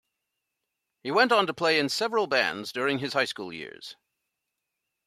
He went on to play in several bands during his high school years.